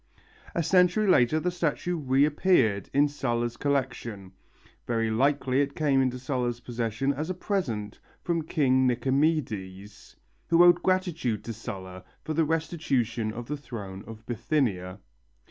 A century later the statue reappeared in Sulla's collection. Very likely it came into Sulla's possession as a present from King Nicomedes, who owed gratitude to Sulla for the restitution of the throne of Bithynia.